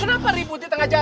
kenapa ribut di tengah jalan